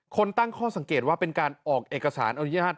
คนตั้งข้อสังเกตว่าเป็นการออกเอกสารอนุญาต